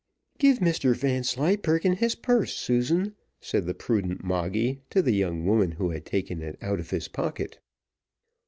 "Give Mr Vanslyperken his purse, Susan," said the prudent Moggy to the young woman who had taken it out of his pocket.